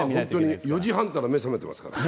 僕は４時半から目覚めてますから。